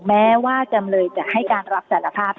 แม้ว่าจำเลยจะให้การรับสารภาพ